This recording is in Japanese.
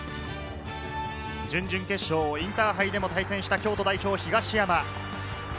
準々決勝、インターハイでも対戦した京都代表・東山。